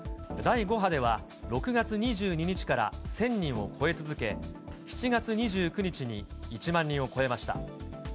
第５波では６月２２日から１０００人を超え続け、７月２９日に１万人を超えました。